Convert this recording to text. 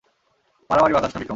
মারামারি বাঁধাস না, বিক্রম।